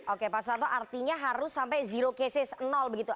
oke pak suarto artinya harus sampai zero cases nol begitu